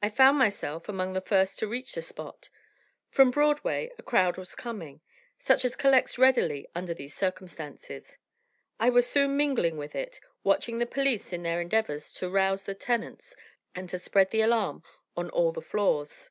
I found myself among the first to reach the spot. From Broadway a crowd was coming, such as collects readily under these circumstances. I was soon mingling with it, watching the police in their endeavors to rouse the tenants and to spread the alarm on all the floors.